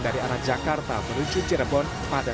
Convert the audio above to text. dari arah jakarta menuju cirebon pada